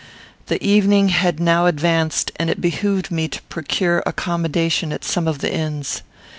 The evening had now advanced, and it behooved me to procure accommodation at some of the inns.